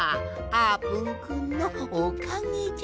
あーぷんくんのおかげじゃ。